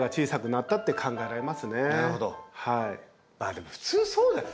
でも普通そうだよ。